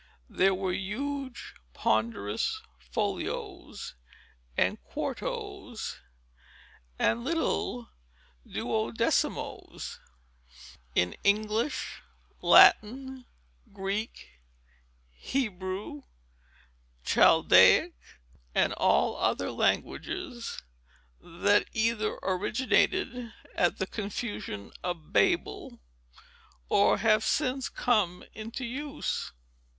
There were huge, ponderous folios and quartos, and little duodecimos, in English, Latin, Greek, Hebrew, Chaldaic, and all other languages, that either originated at the confusion of Babel, or have since come into use.